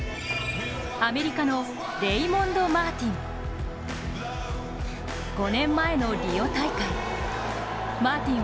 アメリカのレイモンド・マーティン。